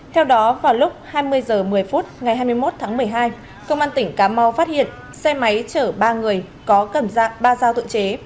theo đó vào lúc hai mươi h một mươi phút ngày hai mươi một tháng một mươi hai công an tỉnh cà mau phát hiện xe máy chở ba người có cầm dạng ba dao tự chế